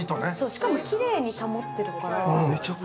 しかもキレイに保ってるから。